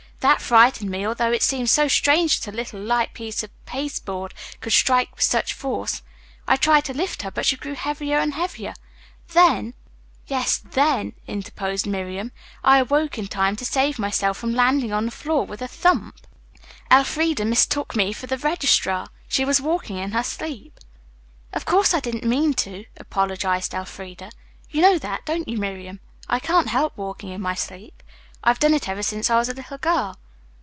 That frightened me, although it seemed so strange that a little, light piece of pasteboard could strike with such force. I tried to lift her, but she grew heavier and heavier. Then " "Yes, 'then,'" interposed Miriam, "I awoke in time to save myself from landing on the floor with a thump. Elfreda mistook me for the registrar. She was walking in her sleep." "Of course I didn't mean to," apologized Elfreda, "You know that, don't you, Miriam? I can't help walking in my sleep. I've done it ever since I was a little girl."